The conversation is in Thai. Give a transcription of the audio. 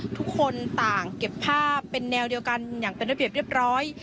ทุกคนต่างเก็บภาพเป็นแนวเดียวกันอย่างเป็นระเบียบเรียบร้อย